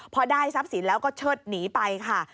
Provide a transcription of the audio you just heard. พอได้ทรัพย์สินแล้วก็เชิดหนีไปค่ะ